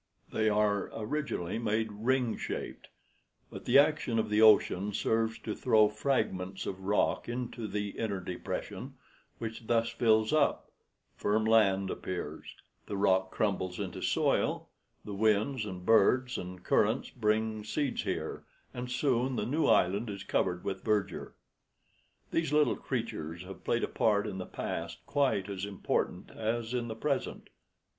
They are originally made ring shaped, but the action of the ocean serves to throw fragments of rock into the inner depression, which thus fills up; firm land appears; the rock crumbles into soil; the winds and birds and currents bring seeds here, and soon the new island is covered with verdure. These little creatures have played a part in the past quite as important as in the present.